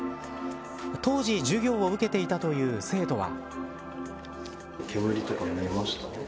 当時授業を受けていたという生徒は。